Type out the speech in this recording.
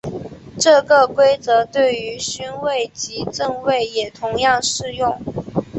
这个规则对于勋位及赠位也同样适用。